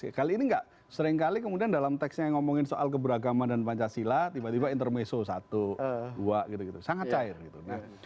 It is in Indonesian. oke kali ini enggak seringkali kemudian dalam teksnya ngomongin soal keberagaman dan pancasila tiba tiba intermeso satu dua gitu gitu sangat cair gitu